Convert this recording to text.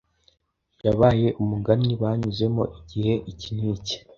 yabaye umugani banyuzemo igihe iki n’iki